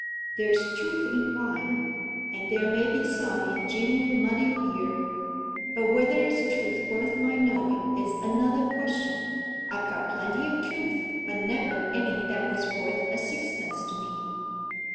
There's truth in wine, and there may be some in gin and muddy beer; but whether it's truth worth my knowing, is another question. I've got plenty of truth, but never any that was worth a sixpence to me."